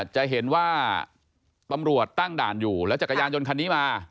จะเห็นว่าตำรวจตั้งด่านอยู่แล้วจักรยานยนต์คันนี้มา